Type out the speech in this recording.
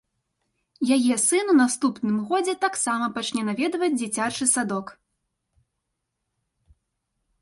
Яе сын у наступным годзе таксама пачне наведваць дзіцячы садок.